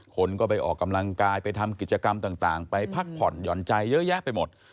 คนก็ไปออกกำลังกายไปทำกิจกรรมต่างไปพักผ่อนหย่อนใจเยอะแยะไปหมด